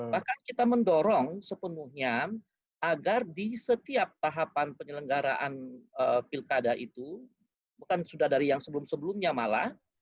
bahkan kita mendorong sepenuhnya agar di setiap tahapan penyelenggaraan pilkada itu bukan sudah dari yang sebelum sebelumnya malah